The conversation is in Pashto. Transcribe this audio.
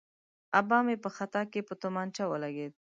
آبا مې په خطا کې په تومانچه ولګېد.